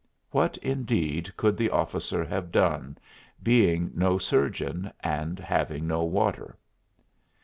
What, indeed, could the officer have done, being no surgeon and having no water?